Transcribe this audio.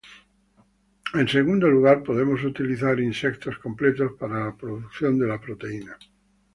En segundo lugar podemos utilizar insectos completos para la producción de la proteína.